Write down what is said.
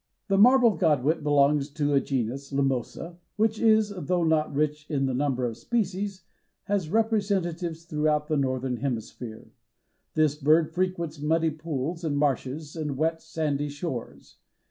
The Marbled Godwit belongs to a genus (Limosa) which, though not rich in the number of species, has representatives throughout the Northern Hemisphere. This bird frequents muddy pools and marshes and wet, sandy shores.